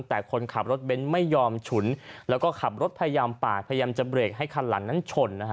แต่คนขับรถเบนท์ไม่ยอมฉุนแล้วก็ขับรถพยายามปาดพยายามจะเบรกให้คันหลังนั้นชนนะฮะ